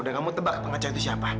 dan kamu tebak pengacau itu siapa